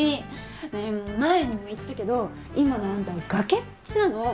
ねえ前にも言ったけど今のあんたは崖っぷちなの。